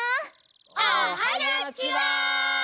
おはにゃちは！